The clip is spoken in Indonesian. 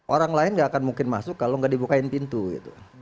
orang lain nggak akan mungkin masuk kalau nggak dibukain pintu gitu